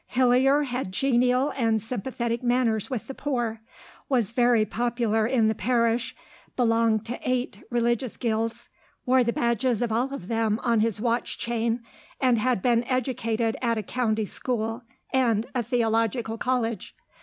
Hillier had genial and sympathetic manners with the poor, was very popular in the parish, belonged to eight religious guilds, wore the badges of all of them on his watch chain, and had been educated at a county school and a theological college.